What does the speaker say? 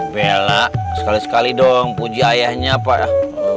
bella sekali sekali dong puji ayahnya pak